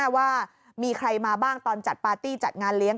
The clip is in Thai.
ว่ามีใครมาบ้างตอนจัดปาร์ตี้จัดงานเลี้ยง